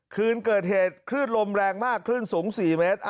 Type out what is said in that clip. คืนเกิดเหตุคลื่นลมแรงมากคลื่นสูง๔เมตร